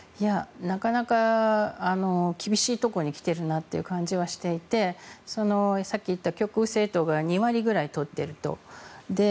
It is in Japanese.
なかなか厳しいところに来ているなという感じはしていてさっき言った極右政党が２割くらい取っていると。